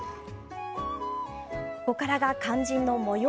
ここからが肝心の模様